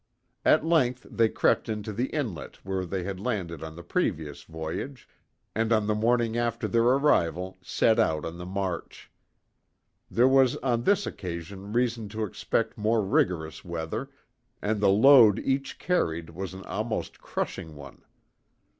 At length they crept into the inlet where they had landed on the previous voyage, and on the morning after their arrival set out on the march. There was on this occasion reason to expect more rigorous weather, and the load each carried was an almost crushing one.